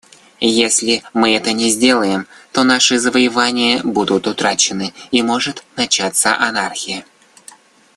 Если мы этого не сделаем, то наши завоевания будут утрачены и может начаться анархия.